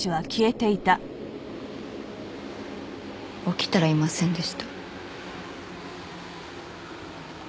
起きたらいませんでした。